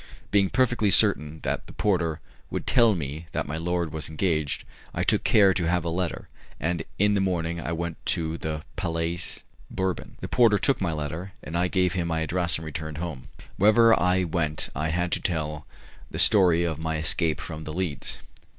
Being perfectly certain that the porter would tell me that my lord was engaged, I took care to have a letter, and in the morning I went to the Palais Bourbon. The porter took my letter, and I gave him my address and returned home. Wherever I went I had to tell the story of my escape from The Leads.